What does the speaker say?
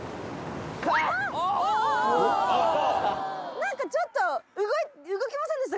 何かちょっと動きませんでした？